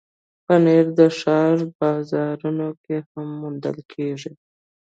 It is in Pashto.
پنېر د ښار بازارونو کې هم موندل کېږي.